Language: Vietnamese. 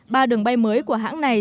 ba đường bay mới của hãng này